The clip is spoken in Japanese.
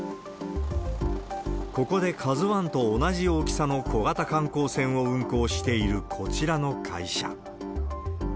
ここでＫＡＺＵＩと同じ大きさの小型観光船を運航しているこちらの会社。